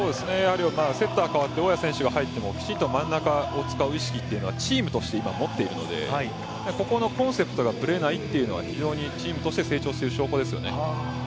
セッターかわって大宅選手が入ってもきちんと真ん中を使う意識というのはチームとして持っているのでここのコンセプトがぶれないっていうのはチームが成長してる象徴ですよね。